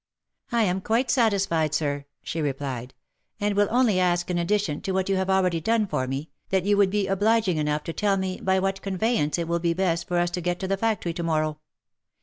" I am quite satisfied, sir," she replied, " and will only ask in addition to what you have already done for me, that you would be obliging enough to tell me by what conveyance it will be best for us to get to the factory to morrow